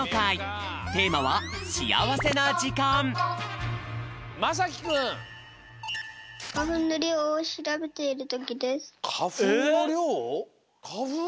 テーマはまさきくん！かふんのりょう？かふん？